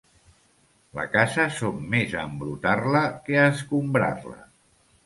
La casa som més a embrutar-la que a escombrar-la.